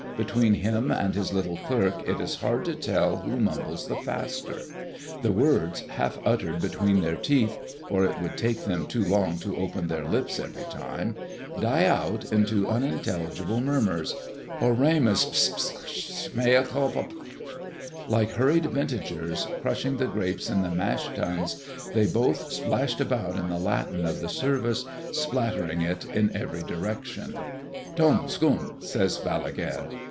Between him and his little clerk it is hard to tell who mumbles the faster. The words, half uttered between their teeth, for it would take them too long to open their lips every time, die out into unintelligible murmurs, Oremus ps ps ps Meâ culpa pâ pâ Like hurried vintagers crushing the grapes in the mash tuns, they both splashed about in the Latin of the service, spattering it in every direction. "Dom scum!" says Balaguère.